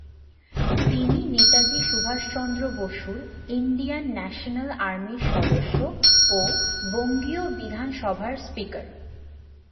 তিনি নেতাজি সুভাষচন্দ্র বসুর ‘Indian National আর্মির সদস্য’ ও বঙ্গীয় বিধান সভার স্পিকার।